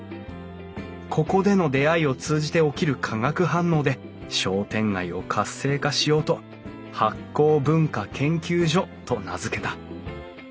ここでの出会いを通じて起きる化学反応で商店街を活性化しようと醗酵文化研究所と名付けた。